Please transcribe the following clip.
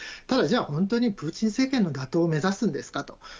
ただ、じゃあ本当にプーチン政権の打倒を目指すんですかと。